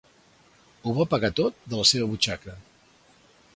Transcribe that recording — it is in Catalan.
Ho va pagar tot de la seva butxaca.